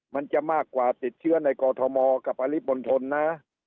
มันจะมากกว่าติดเชื้อในกอทมกับปริมณฑลนะ